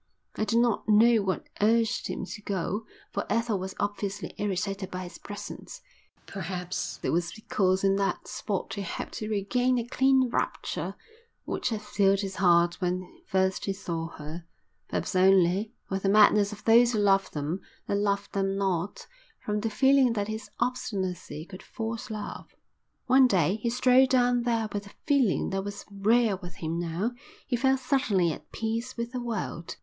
I do not know what urged him to go, for Ethel was obviously irritated by his presence; perhaps it was because in that spot he hoped to regain the clean rapture which had filled his heart when first he saw her; perhaps only, with the madness of those who love them that love them not, from the feeling that his obstinacy could force love. One day he strolled down there with a feeling that was rare with him now. He felt suddenly at peace with the world.